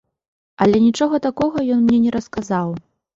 Але нічога такога ён мне не расказаў.